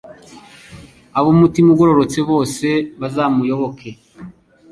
ab’umutima ugororotse bose bazabuyoboke